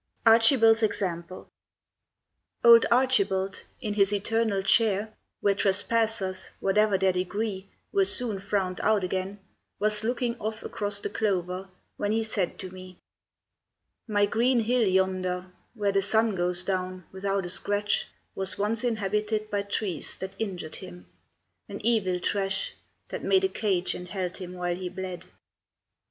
Archibald's Example Old Archibald, in his eternal chair, Where trespassers, whatever their degree, Were soon frowned out again, was looking off Across the clover when he said to me: "My green hill yonder, where the sun goes down Without a scratch, was once inhabited By trees that injured him an evil trash That made a cage, and held him while he bled.